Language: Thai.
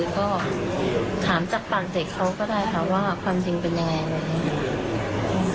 ก็ถามจับตัวเด็กเขาก็ได้ค่ะว่าความจริงเป็นยังไง